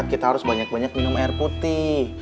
kita harus banyak banyak minum air putih